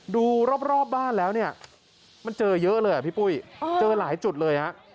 ดูรอบบ้านแล้วเนี่ยมันเจอเยอะเลยอ่ะพี่ปุ้ยเจอหลายจุดเลยฮะ